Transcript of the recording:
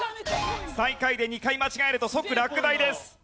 最下位で２回間違えると即落第です。